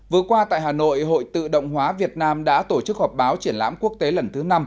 vừa qua tại hà nội hội tự động hóa việt nam đã tổ chức họp báo triển lãm quốc tế lần thứ năm